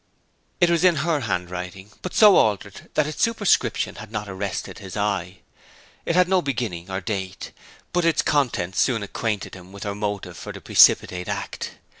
It was in her handwriting, but so altered that its superscription had not arrested his eye. It had no beginning, or date; but its contents soon acquainted him with her motive for the precipitate act.